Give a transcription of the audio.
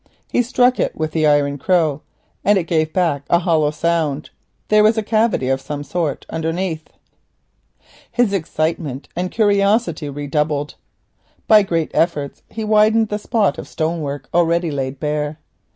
He struck it with the iron crow and it gave back a hollow sound. There was a cavity of some sort underneath. His excitement and curiosity redoubled. By great efforts he widened the spot of stonework already laid bare.